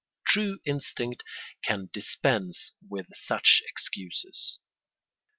True instinct can dispense with such excuses.